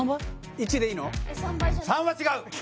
・１でいいの？